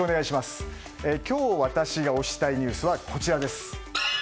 今日、私が推したいニュースはこちらです。